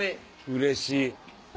うれしい。